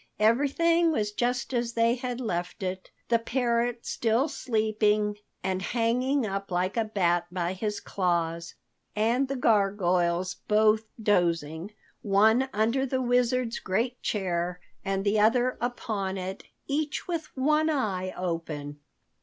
Everything was just as they had left it, the parrot still asleep and hanging up like a bat by his claws, and the gargoyles both dozing, one under the Wizard's great chair and the other upon it, each with one eye open.